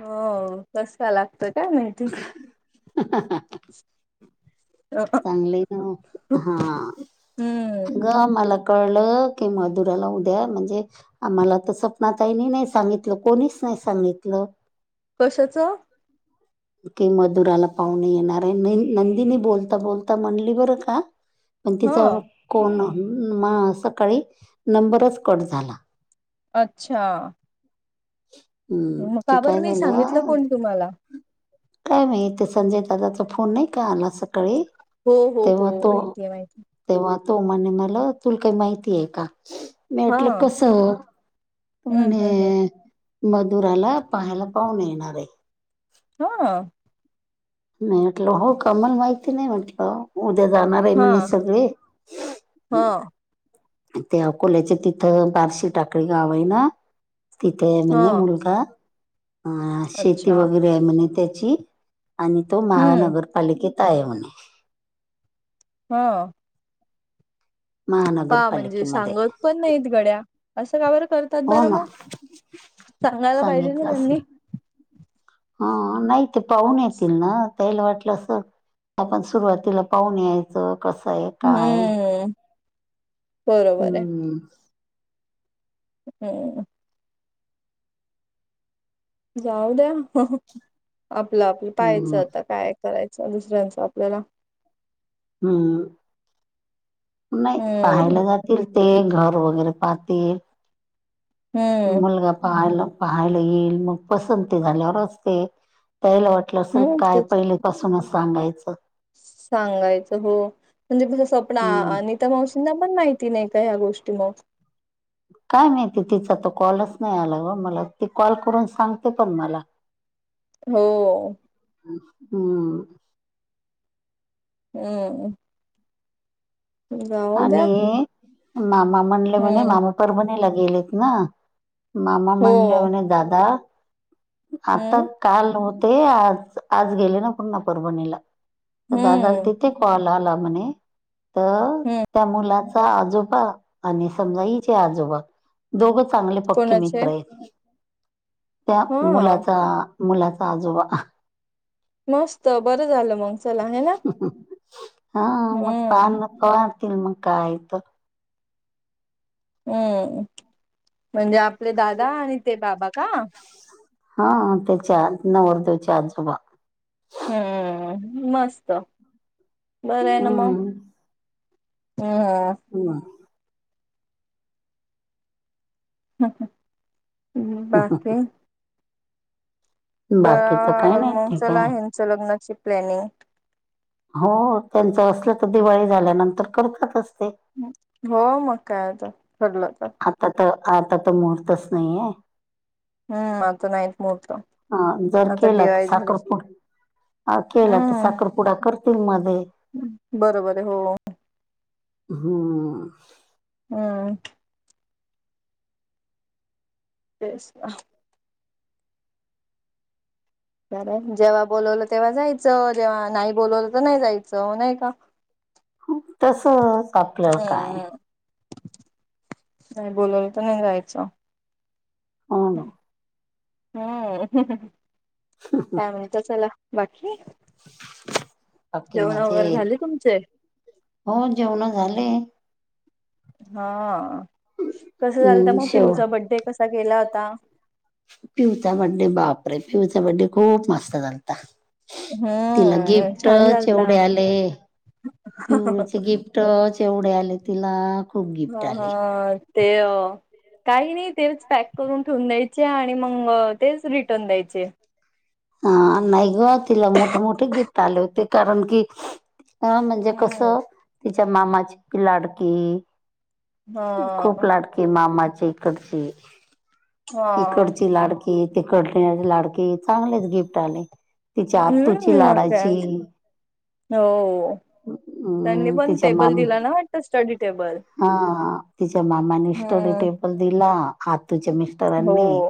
हो कसं काय लागत काय माहिती? ह हा हा हा [inaudible] चांगली गं हा हम्म गं मला कळलं कि मधुराला उद्या म्हणजे आम्हाला तर सपना ताईनी नाही सांगितलं कोणीच नाही सांगितलं कशाचं की मधुराला पाहुणे येणार आहे आणि नंदिनी बोलता बोलता म्हणली बरं का पण तिच हा कोण हम्म म सकाळी नंबरच कट झाला. अच्छा. हम्म मग ते का बर काय नाही सांगितलं झालं कोण तुम्हाला काय माहित ते संजय दादाचा फोन नाही का आला स काळी हो हो हो तेव्हा तो माहितीय माहिती तेव्हा तो म्हणे मला तुल काय माहिती आहे का? मी हा म्हटलं कसं हो तो हम्म हम्म हम्म म्हणे मधुराला पाहायला पाहूणे येणार आहे. हा मी म्हटलं हो का मला माहिती नाही म्हटलं. उद्या जाणार आहे म्हणे हा सगळे हा ते आकोल्याचे तिथं बारशी टाकळी गाव आहे ना तिथे म्हणे हा मुलगा आ शेती अच्छा वगैरे आहे म्हणे त्याची आणि तो हम्म महानगरपालिकेत आहेत म्हणे. हा का म्हणजे महानगरपालिकेमध्ये सांगत पण नाहीत गड्या असं का बरं कर तात हो बरं ना म सांगायला पाहिजेत ना त्यांनी. हा आ नाही ते पाहुणे येतील ना त्याला वाटलं असं आपण सुरुवातीला पाहून यायचं कसं आहे काय आहे. हम्म बरोबर आहे. हम्म. हम्म. जाऊ द्या आपलं आपलं पाहायचं हम्म आता काय करायचा आहे दुसऱ्यांचा आपल्याला. हम्म नाही हम्म पाहायला जात तीथे घर वगैरे पाहते हम्म मुलगा पाहायला पाहायला येईल म पसंती झाल्यावरच ते त्याला वाट लं असेल हम्म काय तेच पहिले पाासूनच सांगायचं. सांगायचं हो, म्हणजे कसं स्वप्न आ हम्म आणि त्या मावशीनां पण माहिती नाही का, या गोष्टी मग? काय माहिती तिचा तो कॉलच नाही आला ओ, मला ती कॉल करून सांगते पण मला. [inaudible] हो. हं. हम्म. जाऊ द्या आणि मामा म्हणले म्हणे हम्म मामा परभणीला गेलेत ना मामा म्हणले हो म्हणे दादा आता हम्म काल होते आज आज गेले ना पुन्हा परभणीला. दादाला हम्म तिथे कॉल आला म्हणे तर हम्म त्या मुलाचा आजोबा आणि समजा हिचे आजोबा दोघं चांगले पक्के कोणाचे मित्र आहेत. त्या हा मुलाचा मुलाचा आजोबा मस्त बरं झालं मग. चला आहे ना हा मग हम्म पान [unintelligible] मग काय तर. अं म्हणजे आपले दादा आणि ते बाबा का? हा त्याच्या नवरदेवचे आजोबा. हम्म मस्त, बरं आहे ना मग? हम्म अं हा. होवा. बाकी? बाकीच करावं काही लागेल नाही मग, ठीक चला आहे यांच्या लग्नाची प्लॅनिंग. हो त्यांचं असलं, तर दिवाळी झाल्यानंतर करतच असते. हो मग काय आता, ठरलं तर. आता तर आता तर महूर्तच नाहीये. हम्म आता नाहीत मुहूर्त हा, जर आता केला तर दिवाळी झाली साखरपुडा हा केला तर हम्म साखरपुडा करतील मध्ये. बरोबर आहे हो हो. हम्म. अं. तेचं का? तर जेव्हा बोलवलं तेव्हा जायचं, जेव्हा नाही बोलवलं तर नाही जायचं नाही का? तसंच आपलं काय? हम्म नाही बोलावलं तर नाही राहायचं. हां. हम्म, त्यावेळी तर चला बाकी? बाकी जेवण वगैरे माझे झाली तुमचे? हो जेवणं झाले. हा कसं झालतं हम्म, मग शेव पिऊचा बडडे कसा केला होता? पिऊचा बड्डे बापरे, पिऊचा बड्डे खूप मस्त झालता. तिला हम्म छान गिफ्टच एवढे झालता आले. पियूचे गिफ्ट फ्टचं एवढे आले तिला खूप हा गिफ्ट हा आले ते काही नाही तेच पॅक करून ठेवून द्यायचे आणि मग तेच रिटर्न द्यायचे. हा नाही ग तिला मोठे मोठे गिफ्ट आले होते, कारण की अ म्हणजे हम्म कसं? तिच्या मामाची ती लाडकी. हा खूप लाडकी मामाच्या इकडची. हा इकडची लाडकी, तिकडची लाडकीे चांगलेच गिफ्ट आले. तिच्या आतूची हम्म मग काय लाडाची. हो त्यांनी अम पण टेबल दिला ना वाटत, स्टडी टेबल? हा हा तिच्या मामांनी स्टडी हम्म टेबल दिला, आतूच्या मिस्टरांनी.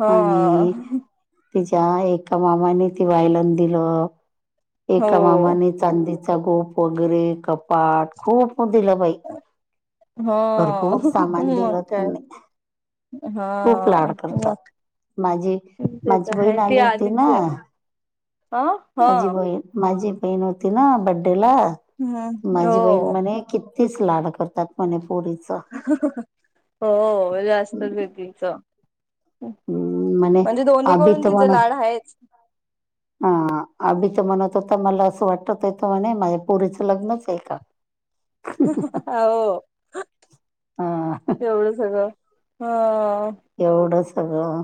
हो आणि तिच्या एका मामाने ते व्हायोलिन दिलं एका हो मामाने चांदीचा गोप वगैरे कपाट खूप दिला बाई. हा भरपूर सामान मग दिला काय त्यांनी. हा खूप लाड करतात. मग माझी ते माझी तर बहीण आहे ती आली होती आधीच ना आहे अ हा माझी बहीण माझी बहीण होती ना बड्डे ला हम्म माझी बहीण हो म्हणे कि तीच लाड करतात म्हणे पोरीचं. हो, जास्तच हम्म आहे बाई तिचं. म्हणे म्हणजे अभी दोन्हीकडून तर तिचे म्हण लाड हायच? हा आभी तर म्हणत होता. मला असं वाटत होयत म्हणे, माझ्या पोरीचं लग्नच हाय का? [unintelligible] हो, हा एवढं सगळं हा. एवढं सगळं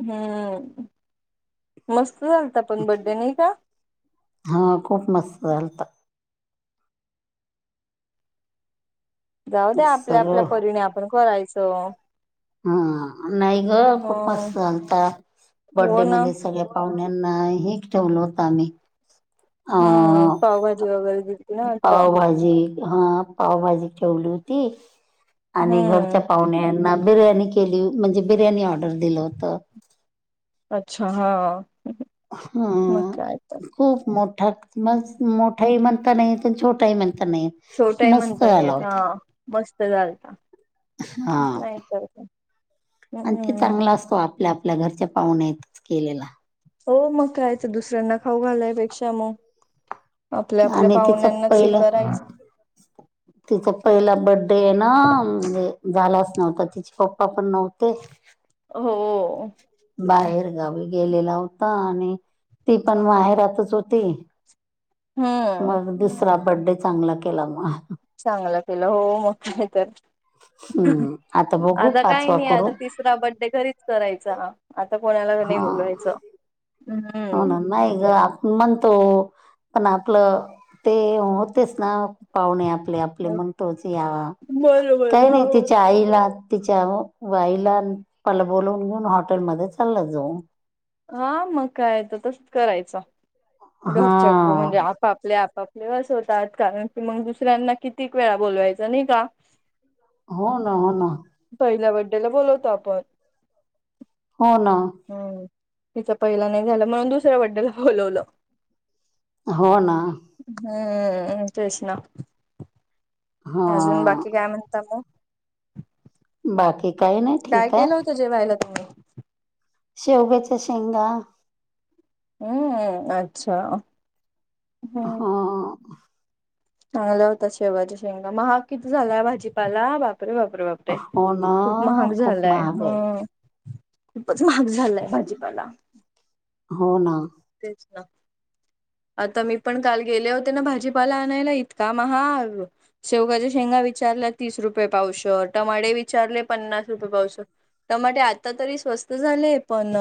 हम्म, मस्त झालता पण बड्डे नाही का? हा खूप मस्त झालता. जाऊ द्या, आपल्या आपल्या सगळं परिने आपण करायचं. हा नाही ग हो खूपच सांगतात, हो बड्डे ना मध्ये सगळ्या पाहुण्यांना हेक ठेवल होत आम्ही. अ हम्म, पावभाजी वगैरे दिलती ना वाटतं. ची हा पावभाजी ठेवली होती आणि घरच्या हम्म पाहुण्यांन बिर्याणी केली, म्हणजे बिर्याणी ऑर्डर दिलं होतं. अच्छा हा. हा, मग काय तर खूप मोठा मज मोठाही म्हणता नाही येत आणि छोटाही म्हणता नाही येत. छोटा हाय मस्त म्हणताना, झाला याचा होता मस्त झालता. हा, नाही तर काय आणखी हम्म चांगला [unintelligible] आपल्या आपल्या घरच्या पाहुण्यातच केलेला. हो मग कायतर दुसऱ्यांना खाऊ घालायपेक्षा म आपल्या आपल्या आणि तिचं पाहुण्यांनाच हे पहिलं करायचं. तिचा पहिला बड्डे हाय ना, म्हणजे झालाच नव्हता. तिचे पप्पापण नव्हते. हो. बाहेरगावी गेलेला होता आणि तीपण माहेरातच होती. हम्म मग दुसरा बड्डे चांगला केला मग. चांगला केला हो, मग कायतर. हम्म बघू आता काही पाचवा नाही करू आता तीस दुसरा बड्डे घरीच करायचा, आता कोणालाच नाही हा बोलवायचं. हो हम्म ना, नाही ग म्हणतो, पण आपलं ते होतेच ना पाहुणे आपले आपले म्हणतोच या. बरोबर काही हो नाही तिच्या आईला- तिच्या वाईला आन प्पपाला बोलवून घेऊन हॉटेलमध्ये चला जाऊ. आ मग काय तथच करायचा. घरच्या घ म्हणजे हा आप आपापले आपापले बस होतात. कारण की मग दुसऱ्यांना कित्येक वेळा बोलवायचं नाही का? हो ना, हो ना. पहिल्या बड्डेला बोलवतो आपण. हो ना. हम्म, तिचा पहिला नाही झालं झाला म्हणून दुसऱ्या बड्डेला बोलवलं. हो ना. हम्म, तेच ना. हा आजून बाकी काय म्हणता मग? बाकी काय नाय. काय केलं होतं जेवायला तुम्ही? शेवग्याच्या शेंगा अं अच्छा. हो. चांगल्या होत्या शेवगाच्या शेंगा. महाग किती झालाय भाजीपाला, बापरे बापरे बापरे. [unintelligible] हो ना खूप महाग खूप झालाय महाग आहे हम्म. खूपच महाग झालाय भाजीपाला. हो ना. तेच ना. आता मी पण काल गेले होते ना भाजीपाला आणायला, इतका महाग शेवगाच्या शेंगा विचारल्या तीस रुपये पावशर, टमाटे विचारले पन्नास रुपये पावशर. टमाटे आता तरी स्वस्त झालेय पण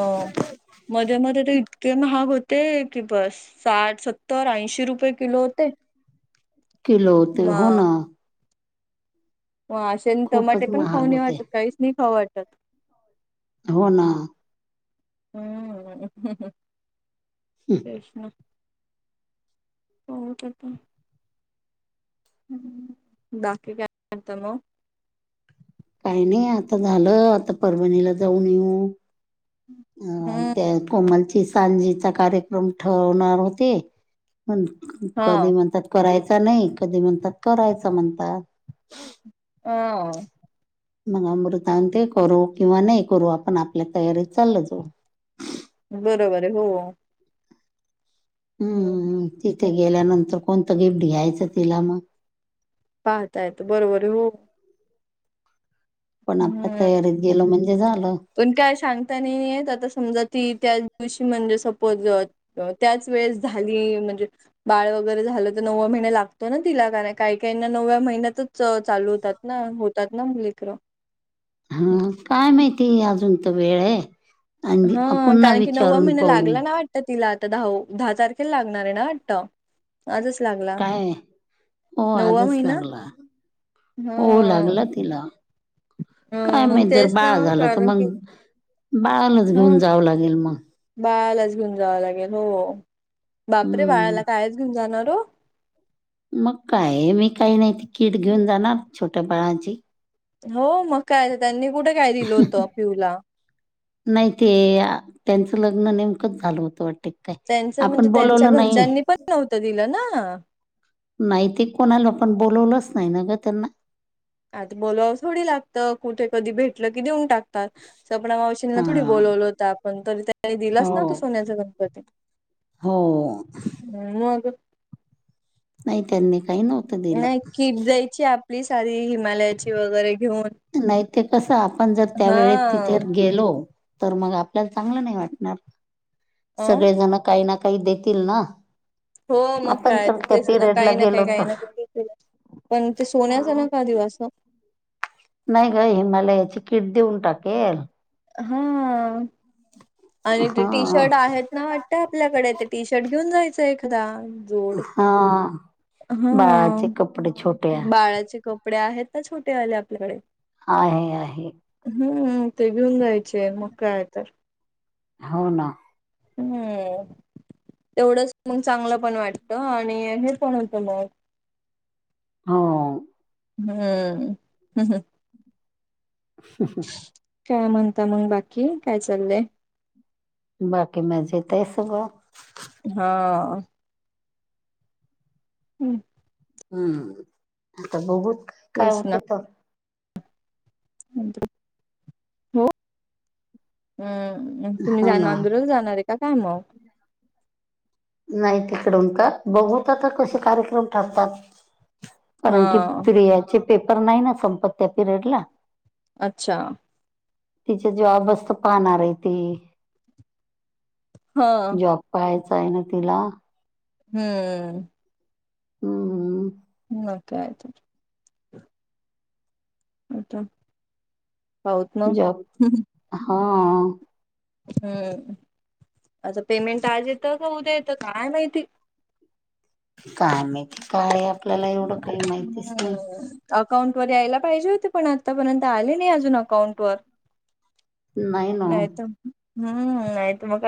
मध्ये मध्ये तर इतके महाग होते की बस साठ सत्तर ऐंशी रुपये किलो होते. किलो होते म हो ना. अशेने टमाटे खूपच पण खाऊ महाग नाही होते वाटत काहीच नाही खाऊं वाटत. हो ना. हम्म. हम्म. [unintelligible] बाकी काय करतं म? काही नाही आता झालं आता परभणीला जाऊन येऊ. अ ते हम्म कोमलची सांजीचा कार्यक्रम ठवणार होते हा कधी म्हणतात करायचा नाही कधी म्हणतात करायचा म्हणतात. आ मग अमृतांंते करू किंवा नाही करू आपण आपल्या तयारीत चाल जाऊ बरोबर आहे हो. हम्म तिथे गेल्यानंतर कोणतं गिफ्ट द्यायचं तिला मग? पाहता येतं बरोबर हो. पण आपल्या हम्म तयारीत गेलो म्हणजे झालं. पण काय सांगताना नाहीेत आता समजा ती त्या दिवशी म्हणजे सपोज त्याच वेळेस झाली म्हणजे बाळ वगैरे झालं तर नव्वा महिने लागतो ना तिला कारण काही काहीना नवव्या महिन्यातच चालू होतात ना होतात ना मुलीक्र. हा काय माहिती अजून तर वेळ आहे. आंगी हा आ पुन्हा कारण की नववा विचारून महिना पाहू. लागला ना वाटतं तिला आता दहाव दहा तारखेला लागणार आहे ना वाटतं? आजच लागला काय हो नव्वा आजच महिना. लागला. हो हा लागला तिला. काय अ माहित जर तेच ना बाळ झालं तर कारण मग की बाळलाच हा घेऊन जावं लागेल मग. बाळालाच घेऊन जावं लागेल हो. बापरे! हम्म. बाळाला कायच घेऊन जाणार हो? मग काय मी काही नाही त कीट घेऊन जाणार छोट्या बाळाांची. हो मग काय त्यांनी कुठे काय दिलं होत पीहूला. नाही ते त्यांचं लग्न नेमकंच झालं होतं वाटते. काय त्यांचं म्हणजे आपण त्यांच्या बोलवलं नाही घरच्यांनी पण नव्हतं दिलं ना. नाही ते कोणाला पण बोलवलंच नाही ना ग त्यांना. आता बोलवा थोडी लागतं कुठे कधी भेटलं की देऊन टाक ता सपणा मावशीनीना थोडी हा बोलवलं होत आपण तरी हो दिलाच ना तो सोन्याचा गणपती. हो मग नाही त्यांनी काही नव्हतं दिलं नाही किट देयायची आपली साारी हिमालयाची वगैरे घेऊन. नाही ते कसं आपण जर हा त्यावेेळे तिथे गेलो तर मग आपल्याला चांगलं नाही वाटणार अ सगळे जण काही ना काही देतील ना. हो मग आपण काय जर त्या तेच ना पिरियडला काही ना गेलो काही काही तर. ना काही देतीलच. पण ते सोन्याचा हं. नका दिवस हा. नाही का हिमालयाची कीट देऊन टाकेल. हा आणि ते हा टीशर्ट आहेत ना वाटतं आपल्याकडे ते टीशर्ट घेऊन जायचं एखादा जोड हा हा बाळाचे कपडे छोट्या. बाळाचे कप पडे आहेत तर छोटे वाले आपल्याकडे. आहे आहे. हम्म ते घेऊन जायचे मग काय आता. हो ना. हम्म तेवढंच मग चांगलं पण वाटतं आणि अ हे पण होतं मग. हो. हम्म. ह ह. का म्हणता मंग बाकी काय चाललंय? बाकी मजेत आहे सगळं. हा. हम्म. हम्म आता बघूत काय तेच ना होते तर. [unintelligible] हो. हम्म तुम्ही हो जाना ना. अंदुरही जाणार आहे का काय मग? नाही तिकडून का बघूत आता कसं कार्यक्रम ठरतात. हा कारण की प्रियाचे पेपर नाही ना संपत्त त्या पिरियडला. अच्छा. तिच्या जॉबच तर पाहणार आहे ती. हा जॉब पाहायचा आहे ना तिला. हम्म. हम्म हम्म. मग काय तर? आता पाऊत ना. जॉब हा. हम्म आज पेमेंट आज येतं का उद्या येतं काय माहिती. काय माहिती काय आपल्याला एवढं काही माहितीच नाही. हम्म अकाउंट वर यायला पाहिजे होते पण आतापर्यंत आले नाही अजून अकाउंट वर. नाही तर हम्म नाही तर मग आ